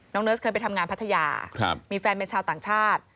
เนิร์สเคยไปทำงานพัทยามีแฟนเป็นชาวต่างชาติ